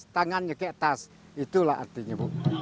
tangannya ke atas itulah artinya